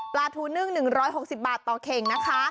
ปลาทูนึ่ง๑๖๐บาทต่อเข่งนะคะ